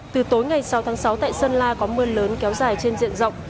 từ tối ngày sáu tháng sáu tại sơn la có mưa lớn kéo dài trên diện rộng